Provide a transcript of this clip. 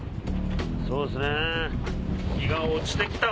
そうですね。